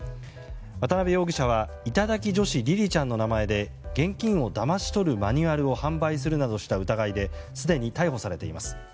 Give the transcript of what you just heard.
渡辺容疑者は頂き女子りりちゃんの名前で現金をだまし取るマニュアルを販売するなどした疑いですでに逮捕されています。